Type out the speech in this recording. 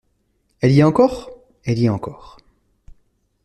Elle y est encore ? Elle y est encore.